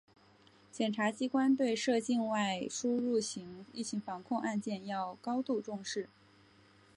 检察机关对涉境外输入型疫情防控案件要高度重视